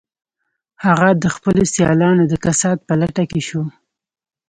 هغه د خپلو سیالانو د کسات په لټه کې شو